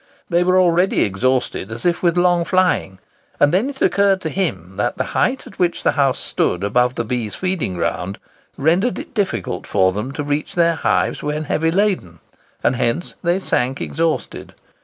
They were already exhausted, as if with long flying; and then it occurred to him that the height at which the house stood above the bees' feeding ground rendered it difficult for them to reach their hives when heavy laden, and hence they sank exhausted.